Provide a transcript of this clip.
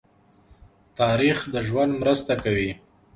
تاریخ د ژوند مرسته کوي.